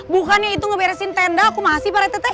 bukannya itu ngeberesin tenda aku masih parete teh